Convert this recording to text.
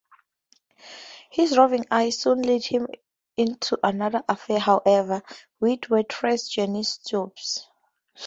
His roving eye soon led him into another affair however, with waitress Janice Stubbs.